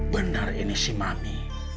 bener ini si mami